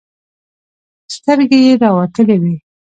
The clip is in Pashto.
سترگې يې راوتلې وې.